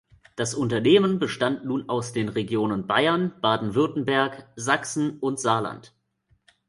Das Unternehmen bestand nun aus den Regionen Bayern, Baden-Württemberg, Sachsen und Saarland.